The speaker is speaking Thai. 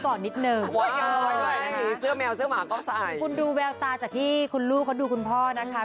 คุณดูแววตาจากที่คุณลูกเขาดูคุณพ่อนะคะ